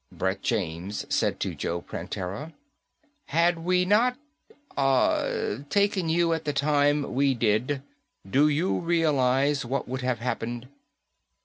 Brett James said to Joe Prantera, "Had we not, ah, taken you at the time we did, do you realize what would have happened?"